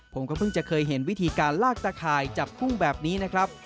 ผมก็เพิ่งจะเคยเห็นวิธีการลากตะข่ายจับกุ้งแบบนี้นะครับ